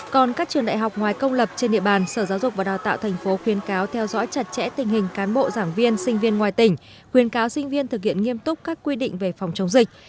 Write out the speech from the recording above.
còn các trường đại học ngoài công lập trên địa bàn sở giáo dục và đào tạo tp khuyên cáo theo dõi chặt chẽ tình hình cán bộ giảng viên sinh viên ngoài tỉnh khuyên cáo sinh viên thực hiện nghiêm túc các quy định về phòng chống dịch